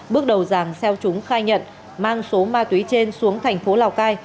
bước đầu giàng xeo trúng khai nhận mang số ma túy trên xuống thành phố lào cai